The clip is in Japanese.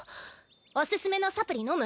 おすすめのサプリのむ？